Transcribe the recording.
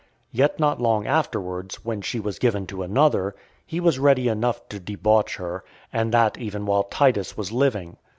Yet not long afterwards, when she was given to another, he was ready enough to debauch her, and that even while Titus was living.